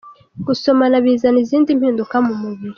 Gusomana bizana izindi mpinduka ku mubiri.